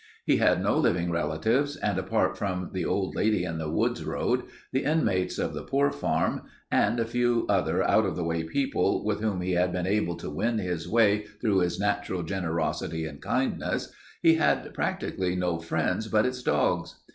He had no living relatives, and apart from the old lady in the woods road, the inmates of the Poor Farm, and a few other out of the way people with whom he had been able to win his way through his natural generosity and kindness, he had practically no friends but his dogs.